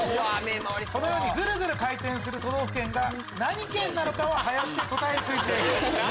このようにグルグル回転する都道府県が何県なのかを早押しで答えるクイズです。